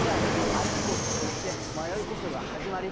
あっちこっちいって迷いこそがはじまり